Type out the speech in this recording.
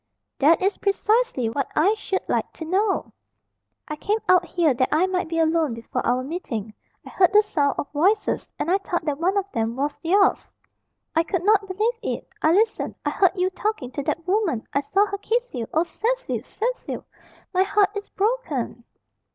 "That is precisely what I should like to know." "I came out here that I might be alone before our meeting. I heard the sound of voices, and I thought that one of them was yours I could not believe it. I listened. I heard you talking to that woman. I saw her kiss you. Oh, Cecil! Cecil! my heart is broken!"